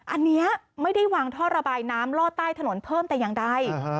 อันนี้ไม่ได้วางท่อระบายน้ำลอดใต้ถนนเพิ่มแต่อย่างใด